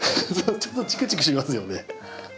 ちょっとチクチクしますよね。